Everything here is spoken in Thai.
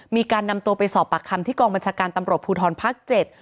มีการนำตัวไปสอบปากคำที่กองบัญชาการตำรวจภูทรภาค๗